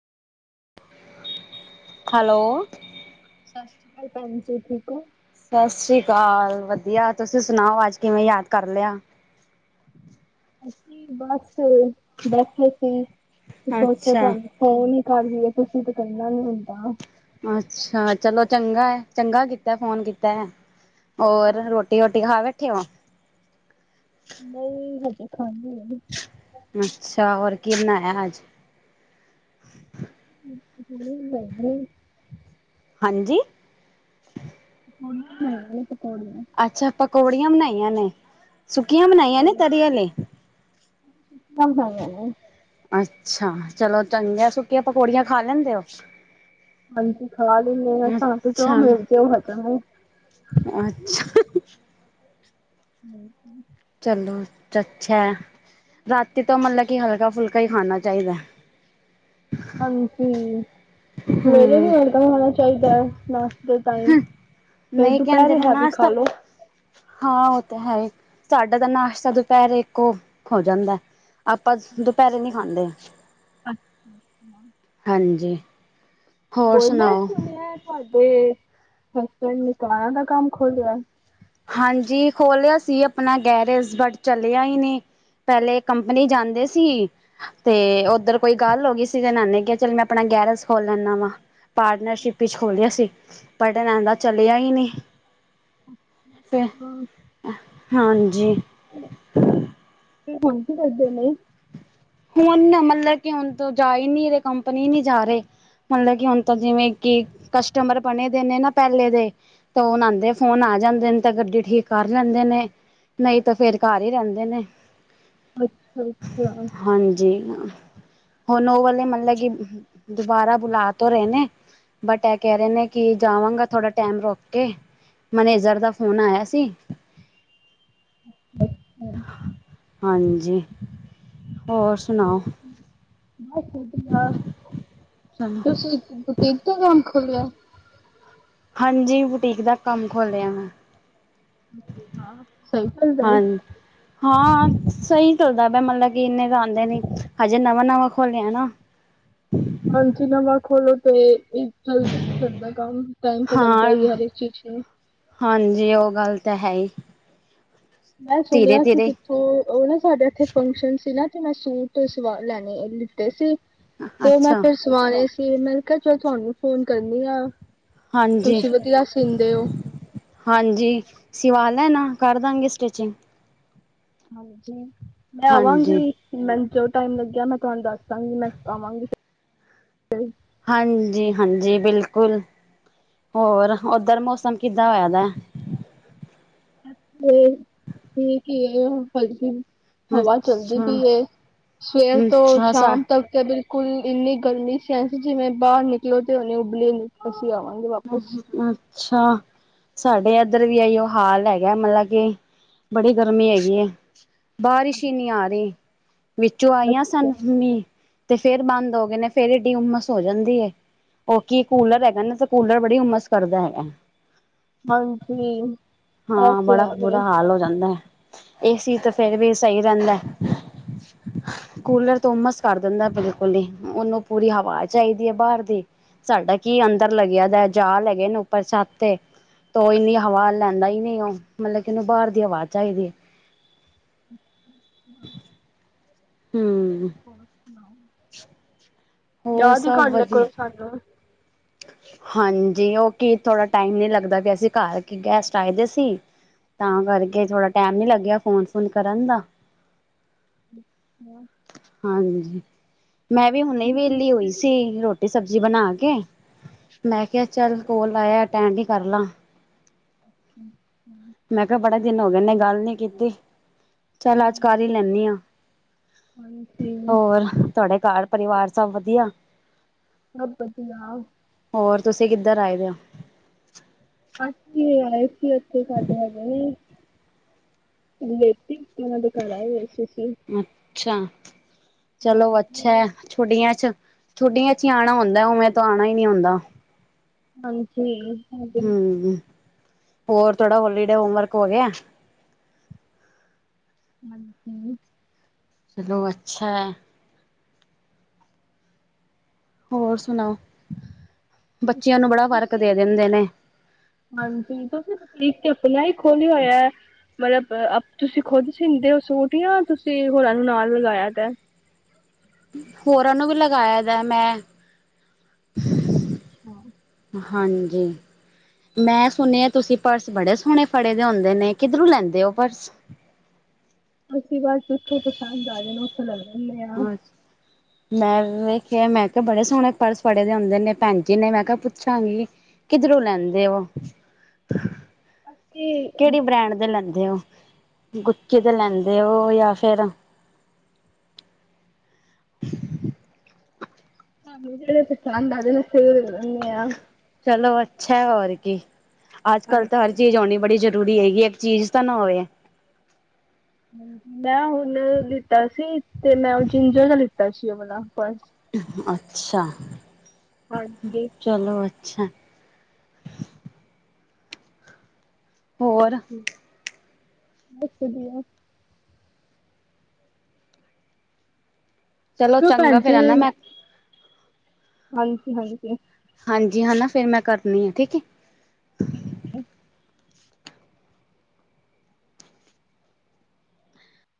Hello ਸਤਿ ਸ਼੍ਰੀ ਅਕਾਲ ਭੈਣ ਜੀ ਠੀਕ ਹੋ ਸਤਿ ਸ੍ਰੀ ਅਕਾਲ ਵਧੀਆ ਤੁਸੀਂ ਸੁਣਾਓ ਅੱਜ ਕਿਵੇਂ ਯਾਦ ਕਰ ਲਿਆ ਅਸੀਂ ਬਸ ਬੈਠੇ ਸੀ ਤੇ ਸੋਚਿਆ ਅੱਛਾ ਤੁਹਾਨੂੰ ਹ ਨੀ ਕਰਦੀ ਹੈ ਤੁਸੀਂ ਤੇ ਕਰਨਾ ਨੀ ਹੁੰਦਾ ਅੱਛਾ ਚਲੋ ਚੰਗਾ ਚੰਗਾ ਕੀਤਾ ਫੋਨ ਕੀਤਾ ਹੋਰ ਰੋਟੀ ਰੋਟੀ ਰੋਟੀ ਖਾ ਬੈਠੇ ਵਾਂ ਨਹੀਂ ਹਜੇ ਖਾਂਨੀ ਏ ਅੱਛਾ ਔਰ ਕਿੰਨਾ ਹੈ ਆਜ [inaudible] ਹਾਂਜੀ। [inaudible] ਅੱਛਾ ਪਕੌੜੀਆਂ ਬਨਾਈਆਂ ਨੇ, ਸੁੱਕੀਆਂ ਬਨਾਈਆਂ ਨੇ ਤਰੀ ਪਕੌੜੀਆਂ ਆਲੇ [inaudible] ਅੱਛਾ ਚਲੋ ਚੰਗੈ ਸੁੱਕੀਆਂ ਪਕੌੜੀਆਂ ਖਾ ਲੈਂਦੇ ਓਂ। ਹਾਂਜੀ ਖਾ ਲੇਨੇ ਆ ਮੇ ਸਾਨੂੰ ਚੋ ਅੱਛਾ ਮਿਲ ਕੇ ਹਟਨਗੇ। ਅੱਛਾ। ਹੂੰ। ਚਲੋ ਚੱਛਾ ਰਾਤੀ ਤੋਂ ਮਤਲਬ ਕੀ ਹਲਕਾ ਫੁਲਕਾ ਈ ਖਾਨਾ ਚਾਈਦੈ। ਹਾਂਜੀ, ਮੇਰੇ ਵੀ ਹਮ ਵਰਦਾ ਖਾਨਾ ਚਾਈਦਾ ਨਾਸ਼ ਦੇ ਟਾਈਮ, ਫੇਰ ਨਹੀਂ ਜਿਤਨਾ ਕਹਿੰਦੇ ਵੀ ਨੇ ਹੈਵੀ ਨਾਸ਼ਤਾ ਖਾਲੋ। ਹਾਂ ਓ ਤਾਂ ਹੈ ਏ, ਸਾਡਾ ਤਾਂ ਨਾਸ਼ਤਾ ਦੁਪੈਰੇ ਇੱਕੋ ਹੋ ਜਾਂਦੈ। ਆਪਾਂ ਦੁਪੈਰੇ ਨੀ ਖਾਂਦੇ। ਅੱ ਹਾਂਜੀ। ਹੋਰ ਬੋਲ ਮੈਂ ਸੁਣਾਓ ਸੁਨੇਆ ਤੁਆਡੇ ਸੋਟ ਨਿਕਾਂਆਂ ਦਾ ਕੰਮ ਖੋਲੇਆ। ਹਾਂਜੀ ਖੋਲੇਆ ਸੀ ਆਪਨਾ ਗੈਰੇਜ ਬਟ ਚਲੇਆ ਈ ਨੀ। ਪੈਲੇ ਕੰਪਨੀ ਜਾਂਦੇ ਸੀ ਤੇ ਓਦਰ ਕੋਈ ਗੱਲ ਹੋਗੀ ਸੀ ਤੇ ਨਾਨੇ ਕਿਆ ਚੱਲ ਮੈਂ ਆਪਨਾ ਗੈਰਜ ਖੋਲ ਲੈਂਨਾ ਵਾ। ਪਾਰਟਨਰਸ਼ਿਪ ਵਿੱਚ ਖੋਲਿਆ ਸੀ, ਪਾਰਟਨਾਂਦਾ ਚਲੇਆ ਈ ਨਈਂ। ਤੇ, ਹਾਂ ਹਾਂਜੀ ਕੀ ਕੰਮ ਕੀ ਕਰਦੇ ਨੇ? ਹੁਨ ਮਤਲਬ ਕੇ ਹੁਨ ਤੋ ਜਾ ਈ ਨੀ ਰਏ ਕੰਪਨੀ ਨੀ ਜਾ ਰਏ, ਮਤਲਬ ਕੀ ਹੁਨ ਤਾਂ ਜਿਵੇਂ ਕੀ ਕਸਟਮਰ ਬਨੇ ਦੇ ਨੇਂ ਨਾਂ ਪੈਲੇ ਦੇ, ਤਾਂ ਓ ਨਾ ਆਂਦੇ ਫੋਨ ਆ ਜਾਂਦੇ ਨੇ ਤਾਂ ਗੱਡੀ ਠੀਕ ਕਰ ਜਾਂਦੇ ਨੇ। ਨਈਂ ਤਾਂ ਫੇਰ ਘਰ ਈ ਰੈਂਦੇ ਨੇ। ਅੱਛਾ-ਅੱਛੇਆ ਹਾਂਜੀ, ਹੁਨ ਓ ਵਾਲੇ ਮਤਲਬ ਕੀ, ਦੁਬਾਰਾ ਬੁਲਾ ਤਾ ਰਏ ਨੇ। ਬਟ ਐ ਕੈ ਰਏ ਨੇ ਕੇ ਜਾਵਾਂਗਾ ਥੋੜਾ ਟੈਮ ਰੁਕ ਕੇ। ਮਨੇਜਰ ਦਾ ਫੋਨ ਆਇਆ ਸੀ। [inaudible] ਹਾਂਜੀ। ਹੋਰ ਸਨਾ ਬਸ ਵਦੀਆ, ਚਲੋ ਤੁਸੀਂ ਇਕ ਬੁਟੀਕ ਦਾ ਕੰਮ ਖੋਲਿਆ। ਹਾਂਜੀ ਬੁਟੀਕ ਦਾ ਕੰਮ ਖੋਲਿਆ ਮੈਂ। ਹਾਂ ਸਈ ਚੱਲਦਾ ਏ, ਹਾਂ-ਹਾਂ। ਸਈ ਚੱਲਦਾ ਪਿਆ ਮਤਲਬ ਕੇ ਇੰਨੇ ਤਾਂ ਆਂਦੇ ਨੀ ਹਜੇ ਨਵਾਂ-ਨਵਾਂ ਖੋਲੇਆ ਨਾ। ਹਾਂਜੀ ਨਵਾਂ ਖੋਲੋ ਤੇ ਈ ਚੱਲਦਾ ਨ ਚੱਲਦਾ ਕੰਮ ਟਾਈਮ ਤਾਂ ਲੱਗਦਾ ਹਾਂ ਈ ਐ ਹਰੇਕ ਚੀਜ਼ ਚ। ਹਾਂਜੀ ਓ ਗੱਲ ਤਾਂ ਹੈ ਈ। ਮੈਂ ਸੁਨੇਆ ਸੀ ਕਿੱਥੋਂ ਓ ਨਾ ਸਾਡੇ ਏਥੇ ਫੰਕਸ਼ਨ ਸੀ ਨਾ। ਤੇ ਮੈਂ ਸੂਟ ਸਵਾ ਲੈਨੇ ਲਿੱਤੇ ਸੀ, ਤੇ ਮੈਂ ਅੱਛਾ ਫਿਰ ਸ ਵਾਣੇ ਸੀ ਮੈਂ ਕੇਆ ਚਲ ਧੋਨੂੰ ਫੋਨ ਕਰਨੀ ਆਂ। ਹਾਂਜੀ। ਹਾਂਜੀ, ਸੀਵਾ ਲੈਣਾ ਕਰ ਦਾਂਗੇ ਸਟੀਚੀਂਗ। ਹਾਂਜੀ, ਮੈਂ ਹਾਂਜੀ ਆਵਾਂਗੀ। ਮੈਨ ਜੋ ਟਾਈਮ ਲੱਗੇਆ ਮੈਂ ਧੋਨੂੰ ਦੱਸ ਦਾਂਗੀ ਮੈਂ ਆਵਾਂਗੀ, ਹਾਂਜੀ-ਹਾਂਜੀ ਬੇਲਕੁਲ, ਹੋਰ ਓਦਰ ਮੌਸਮ ਕੀਦਾਂ ਹੋਏਆ ਦਾ? ਫੇਰ, ਠੀਕ ਈ ਏ [unintelligible] ਹਵਾ ਚਲਦੀ ਅੱਛਾ ਪੀ ਏ, ਸਵੇਰ ਤੋਂ ਅੱਛਾ ਸਾ ਸ਼ਾਮ ਤੱਕ ਤੇ ਬੀਲ ਕੁਲ ਏਨੀ ਗਰਮੀ ਸਸੀ ਜੀਵੇਂ ਬਾਰ ਨਿਕਲੋ ਤੇ ਹੁਨੇ ਉਬਲੇਗੀ। ਅਸੀਂ ਆਵਾਂਗੇ ਵਾ [unintelligible] ਅੱਛਾ। ਸਾਡੇ ਐਧਰ ਵੀ ਐਈ ਓ ਹਾਲ ਹੈਗਾ ਮਲ ਆ ਕੀ, ਬੜੀ ਗਰਮੀ ਹੈਗੀ ਏ। ਬਾਰੀਸ਼ ਈ ਨੀ ਅੱਛਾ ਆ ਰੀ, ਵੀਚੋਂ ਆਈਆਂ ਅੱਛਾ, ਸਨ ਮੀ, ਤੇ ਫੇਰ ਬੰਦ ਹੋ ਗਏ ਨੇ ਫੇਰ ਏਡੀ ਹੂਮਸ ਹੋ ਜਾਂਦੀ ਏ, ਓ ਕੀ ਕੂਲਰ ਹੈਗਾ ਨਾ ਸ ਕੂਲਰ ਬੜੀ ਹੂਮਸ ਕਰਦਾ ਹੈਗਾ, ਹਾਂਜੀ ਇਹ ਹਾਂ ਤੇ ਬੜਾ ਹੈਗੇ ਬੁਰਾ ਹਾਲ ਹੋ ਜਾਂਦਾ ਐ। ਏ ਸੀ ਤਾਂ ਫੇਰ ਵੀ ਸਈ ਰੈਦੈ। ਕੂਲਰ ਤੋ ਹੂਮਸ ਕਰ ਦੀਂਦਾ ਬੇਲਕੁਲ ਈ ਓਨੂੰ ਪੂਰੀ ਹਵਾ ਚਾਈਦੀ ਏ ਬਾਰ ਦੀ। ਸਾਡਾ ਕੀ ਅੰਦਰ ਲੱਗੇਆ ਦਾ ਜਾਲ ਹੈਗੇ ਨੇ ਉਪਰ ਛੱਤ ਤੇ। ਤੋ ਓ ਏਨੀ ਹਵਾ ਲੈਂਦਾ ਈ ਨਈ ਓ, ਮਲੇ ਕੀ ਓਨੂੰ ਬਾਰ ਦੀ ਹਵਾ ਚਾਈਦੀ ਏ। [inaudible] ਹੂੰ। ਹੋਰ ਸੁਣਾਓ? [inaudible] ਹੋਰ ਯਾਦ ਈ ਸਭ ਕਰ ਲੇਆ ਵਧੀਆ ਕਰੋ ਸਾਨੂੰ। ਹਾਂਜੀ ਓ ਕੀ ਥੋੜਾ ਟਾਈਮ ਨੀ ਲੱਗਦਾ ਪੇਆ ਕੀ ਘਰ ਕੀ ਗੈਸਟ ਆਏਦੇ ਸੀ। ਤਾਂ ਕਰਕੇ ਥੋੜਾ ਟਾਈਮ ਨੀ ਲੱਗੇਆ ਫੋਨ-ਫੋਨ ਕਰਨ ਦਾ। [inaudible] ਹਾਂਜੀ, ਮੈਂ ਵੀ ਹੁਨੇ ਵੇਲੀ ਹੋਈ ਸੀ ਰੋਟੀ ਸਬਜ਼ੀ ਬਣਾ ਕੇ, ਮੈਂ ਕੇਆ ਚੱਲ ਕੋਲ ਆਏਆ ਅਟੈਂਡ ਈ ਕਰ ਲਾਂ। [unintelligible] ਮੈਂ ਕੇਆ ਬੜਾ ਦਿਨ ਹੋ ਗਏ ਨੇ ਗੱਲ ਨੀ ਕੀਤੀ। ਚੱਲ ਅੱਜ ਕਾਰ ਈ ਲੈਂਨੀ ਆਂ, ਹਾਂਜੀ ਹੋਰ? ਧਾਡੇ ਘਰ ਪਰੀਵਾਰ ਸਭ ਵਦੀਆ? ਸਬ ਵਦੀਆ। ਹੋਰ ਤੁਸੀਂ ਕੀਦਰ ਆਏ ਦੇ ਓ? ਅਸੀ ਆਏ ਸੀ ਓਥੇ ਸਾਡੇ ਹੈਗੇ ਨੀ। ਲੇਟੀਵ ਓਨਾਂ ਦੇ ਘਰ ਆਏ ਹੋਏ ਸੀ ਅਸੀ। ਅੱਛਾ, ਚਲੋ ਅੱਛਾ ਹਾਂਜੀ ਐ। ਛੁਡੀਆਂ ਚ ਛੁੱਡੀਆਂ ਚ ਈ ਆਂਣਾ ਹੁੰਦਾ ਓਵੇੈਂ ਤਾਂ ਆਂਣਾ ਈ ਨੀ ਹੁੰਦਾ। ਹਾਂਜੀ। ਹਾਂਜੀ ਹੂੰ, ਹੋਰ ਥੋੜਾ ਹੋਲੀਡੇ ਹੋਮਵਰਕ ਹੋ ਗੇਆ? ਹਾਂਜੀ। ਚਲੋ ਅੱਛਾ ਐ। ਹੋਰ ਸੁਣਾਓ, ਬੱਚੇਆਂ ਨੂੰ ਬੜਾ ਵਰਕ ਦੇ ਤੁਸੀਂ ਦੇਂਦੇ ਨੇਂ। ਹਾਂਜੀ, ਤੁਸੀਂ ਬੂਟੀਕ ਤੇ ਆਪਣਾ ਈ ਖੋਲ੍ਹਿਆ ਹੋਇਆ ਮਤਲਬ ਅਪ, ਤੁਸੀਂ ਖੁਦ ਸੀਂਦੇ ਓ ਸੂਟ ਯਾ ਤੁਸੀਂ ਹੋਰਾਂ ਨੂੰ ਨਾਲ ਲਗਾਇਆ ਪਿਆ? ਹੋਰਾਂ ਨੂੰ ਵੀ ਲਗਾਇਆ ਜਾ, ਮੈਂ। ਅੱਛਾ। ਹਾਂਜੀ। ਮੈਂ ਸੁਣਿਆ ਤੁਸੀਂ ਪਰਸ ਬੜੇ ਸੋਹਣੇ ਫੜੇ ਦੇ ਹੁੰਦੇ ਨੇਂ, ਕਿੱਧਰੋਂ ਲੈਂਦੇ ਓ ਪਰਸ? ਅਸੀਂ ਬਸ ਜਿੱਥੋਂ ਪਸੰਦ ਆ ਜਾਣ, ਉੱਥੋਂ ਲੈ ਲੈਂਨੇ ਆਂ। ਹਾਂ, ਮੈਂ ਵੇਖਿਆ, ਮੈਂ ਕਿਹਾ ਬੜੇ ਸੋਹਣੇ ਪਰਸ ਫੜੇ ਵੇ ਹੁੰਦੇ ਨੇਂ ਭੈਣ ਜੀ ਨੇਂ, ਮੈਂ ਕਿਹਾ ਪੁੱਛਾਂਗੀ। ਕਿਧਰੋਂ ਲੈਂਦੇ ਓ? ਅਸੀਂ ਕਿਹੜੀ ਬ੍ਰੈਂਡ ਦੇ ਲੈਂਦੇ ਓ? ਗੁੱਚੀ ਦੇ ਲੈਂਦੇ ਓ, ਯਾ ਫੇਰ ਸਾਨੂੰ ਜਿਹੜੇ ਪਸੰਦ ਆਂ ਜਾਵੇਂ, ਉੱਥੋਂ ਲੈ ਲੈਨੇ ਆਂ। ਚਲੋ ਅੱਛਾ ਏ ਹੋਰ ਕੀ, ਅੱਜ-ਕੱਲ ਤਾਂ ਹਰ ਹਾਂਜੀ ਚੀਜ਼ ਹੋਣੀ ਬੜੀ ਜ਼ਰੂਰੀ ਹੇਗੀ ਏ। ਚੀਜ਼ ਤਾਂ ਨਾਂ ਹੋਏ। ਮੈਂ ਹੁਣ ਲਿੱਤਾ ਸੀ, ਤੇ ਮੈਂ ਉਹ ਜਿੰਜਰ ਦਾ ਲਿੱਤਾ ਸੀ, ਉਹ ਵਾਲ਼ਾ ਪਰਸ। ਅੱਛਾ, ਹਾਂਜੀ ਚਲੋ ਅੱਛਾ। ਹੋਰ ਕੀ, ਬਸ ਵਧੀਆ। ਚਲੋ, ਭੈਣ ਚੰਗਾ ਫ਼ੇਰ ਜੀ ਹਨਾ ਮੈਂ ਹਾਂਜੀ-ਹਾਂਜੀ। ਹਾਂਜੀ, ਹਨਾਂ ਫੇਰ ਮੈਂ ਕਰਨੀ ਆਂ, ਠੀਕ ਏ। ਠੀਕ ਏ।